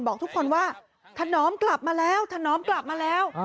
บอกทุกคนว่าถนอมกลับมาแล้วถนอมกลับมาแล้ว